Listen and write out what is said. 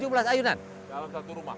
dalam satu rumah